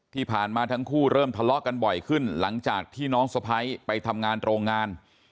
ที่ผ่านมาทั้งคู่เริ่มทะเลาะกันบ่อยขึ้นหลังจากที่น้องสะพ้ายไปทำงานโรงงาน